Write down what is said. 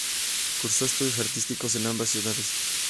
Cursó estudios artísticos en ambas ciudades.